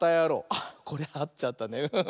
あっこれあっちゃったね。